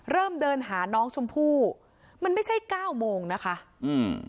เริ่มเดินหาน้องชมพู่มันไม่ใช่เก้าโมงนะคะอืม